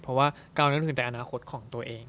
เพราะว่าการลงทุนแต่อนาคตของตัวเอง